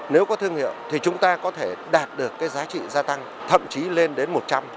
nếu có thương hiệu thì chúng ta có thể đạt được cái giá trị gia tăng thậm chí lên đến một trăm linh hai trăm linh